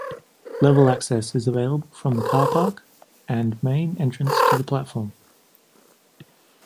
Level access is available from the car park and main entrance to the platform.